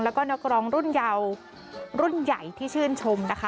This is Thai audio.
แล้วก็นักร้องรุ่นเยารุ่นใหญ่ที่ชื่นชมนะคะ